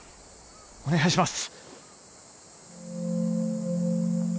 お願いします